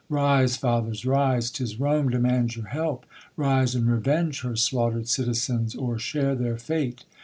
Rise, fathers, rise! 'tis Rome demands your help ; Rise, and revenge her slaughter'd citizens, Or share their fate